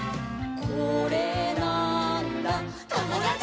「これなーんだ「ともだち！」」